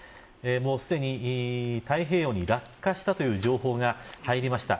もうすでに太平洋に落下したという情報が入りました。